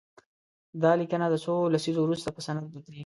دا لیکنه د څو لسیزو وروسته په سند بدليږي.